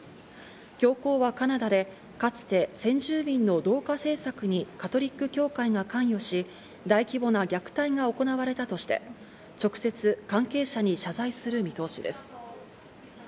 教皇はカナダでかつて先住民の同化政策にカトリック教会が関与し、大規模な虐待が行われたとして、直接、関係者に謝罪する見通しです。